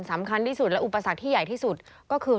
สำคัญที่สุดและอุปสรรคที่ใหญ่ที่สุดก็คือ